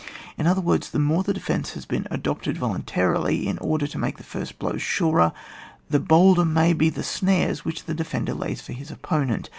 In other words, the more the defence has been adopted volun tarily, in order to make the first blow surer, the bolder may be the snares which the defender lays for his opponent.